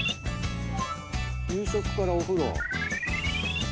夕食からお風呂。